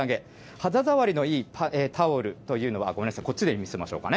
肌触りのいいタオルというのは、ごめんなさい、こっちで見せましょうかね。